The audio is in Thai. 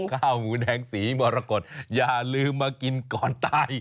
ข้าวหมูแดงสีมรกฏอย่าลืมมากินก่อนตาย